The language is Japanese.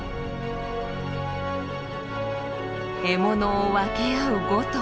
獲物を分け合う５頭。